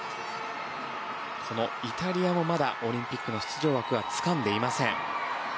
このイタリアもまだオリンピックの出場枠はつかんでいません。